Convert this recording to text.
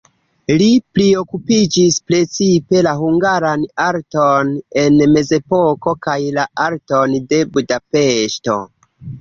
Li priokupiĝis precipe la hungaran arton en mezepoko kaj la arton de Budapeŝto.